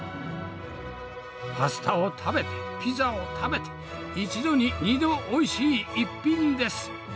パスタを食べてピザを食べて１度に２度おいしい一品です。